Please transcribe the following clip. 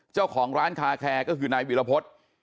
เจ้าของร้านคาแคร์ก็คือนายวิรพฤษ